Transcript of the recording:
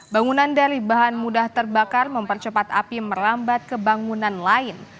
bangunan dari bahan mudah terbakar mempercepat api merambat ke bangunan lain